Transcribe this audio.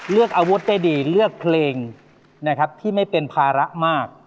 เลือกอาวุธได้ดีเลือกเพลงนะครับที่ไม่เป็นภาระมาก